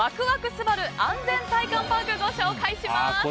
ＳＵＢＡＲＵ安全体感パークご紹介します。